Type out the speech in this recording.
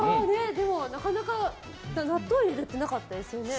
なかなか納豆入れるってなかったですよね。